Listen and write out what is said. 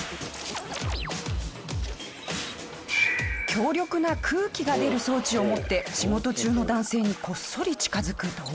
強力な空気が出る装置を持って仕事中の男性にこっそり近づく同僚。